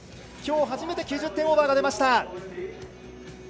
きょう初めて９０点オーバーが出ました。